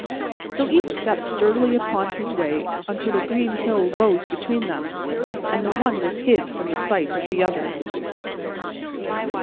So each stepped sturdily upon his way until a green hill rose between them, and the one was hid from the sight of the other.